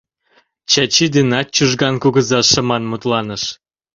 Чачи денат Чужган кугыза шыман мутланыш: